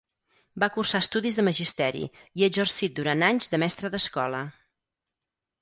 Va cursar estudis de magisteri i ha exercit durant anys de mestre d'escola.